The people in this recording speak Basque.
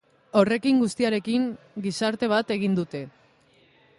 Horrekin guztiarekin gizarte bat egin dute.